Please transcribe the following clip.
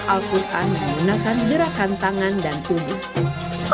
al quran menggunakan gerakan tangan dan tubuh